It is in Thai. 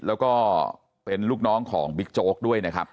แล้วก็เป็นลูกน้องของบิ๊กโจ๊กด้วยนะครับ